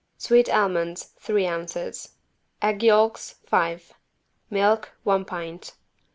Sweet almonds, three ounces. Egg yolks, five. Milk, one pint.